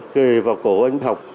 kề vào cổ anh học